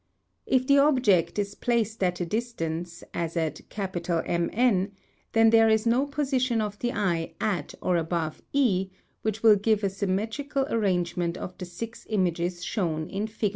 If the object is placed at a distance, as at M N, then there is no position of the eye at or above E which will give a symmetrical arrangement of the six images shown in fig.